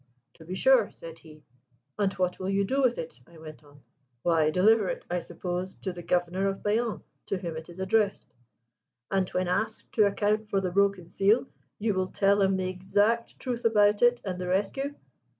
'To be sure,' said he. 'And what will you do with it?' I went on. 'Why, deliver it, I suppose, to the Governor of Bayonne, to whom it is addressed.' 'And, when asked to account for the broken seal, you will tell him the exact truth about it and the rescue?'